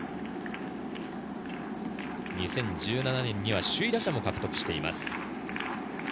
２０１７年に首位打者も獲得しています。